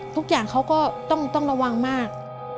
ทุกอย่างเขาก็ต้องระวังมาก